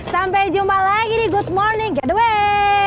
sampai jumpa lagi di good morning gedeway